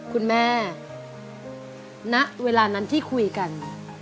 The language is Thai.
คุณแม่ณเวลานั้นที่คุยกัน